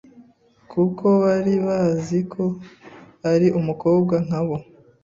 kuko bari bazi ko ari umukobwa nka bo